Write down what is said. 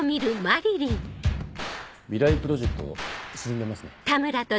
未来プロジェクト進んでますね。